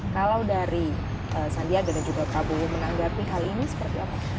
kalau dari sandiaga dan juga prabowo menanggapi hal ini seperti apa